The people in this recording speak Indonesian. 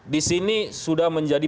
di sini sudah menjadi